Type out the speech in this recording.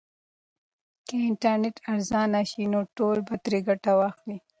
که انټرنیټ ارزانه سي نو ټول به ترې ګټه واخلي.